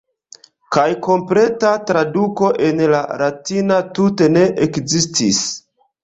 Kaj kompleta traduko en la Latina tute ne ekzistis.